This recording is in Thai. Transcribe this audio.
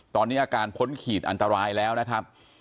ตอนนี้อาการพ้นขีดอันตรายแล้วนะครับ